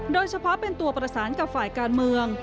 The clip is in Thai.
โดยเฉพาะเป็นตัวประสานกับฝ่ายการเมือง